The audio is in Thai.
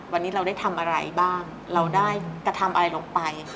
วันนี้เราได้ทำอะไรบ้างเราได้กระทำอะไรลงไป